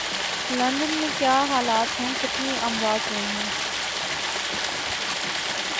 London میں کیا حالات ہیں، کتنی اموات ہوئی ہیں